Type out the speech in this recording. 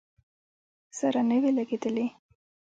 سره نه وې لګېدلې.